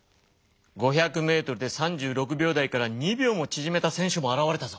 ５００メートルで３６秒台から２秒もちぢめた選手も現れたぞ。